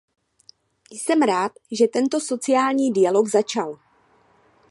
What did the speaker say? Jsem rád, že tento sociální dialog začal.